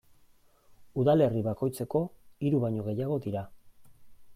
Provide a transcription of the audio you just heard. Udalerri bakoitzeko hiru baino gehiago dira.